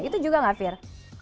itu juga nggak fir